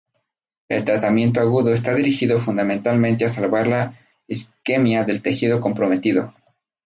El tratamiento agudo está dirigido fundamentalmente a salvar la isquemia del tejido comprometido.